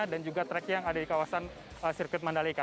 dan juga track yang ada di kawasan sirkuit mandalika